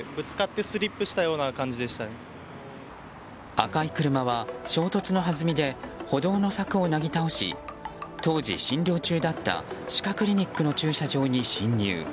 赤い車は、衝突のはずみで歩道の柵をなぎ倒し当時、診療中だった歯科クリニックの駐車場に進入。